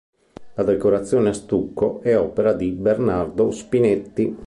La decorazione a stucco è opera di Bernardo Spinetti.